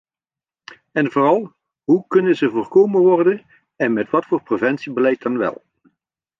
En vooral, hoe kunnen ze voorkomen worden en met wat voor preventiebeleid dan wel?